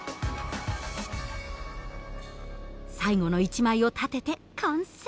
最後の１枚を立てて完成。